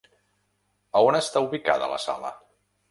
A on està ubicada la sala?